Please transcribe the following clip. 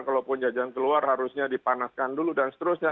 kalaupun jajan keluar harusnya dipanaskan dulu dan seterusnya